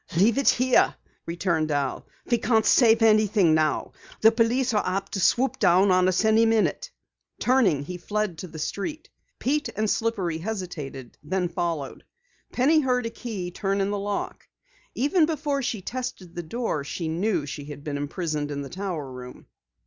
"Leave it here," returned Al. "We can't save anything now. The police are apt to swoop down on us any minute." Turning, he fled to the street. Pete and Slippery hesitated, then followed. Penny heard a key turn in the lock. Even before she tested the door she knew she had been imprisoned in the tower room.